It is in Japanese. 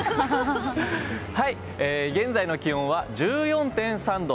現在の気温は１４．３度。